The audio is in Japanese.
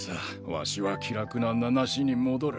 わしは気楽な名無しに戻る。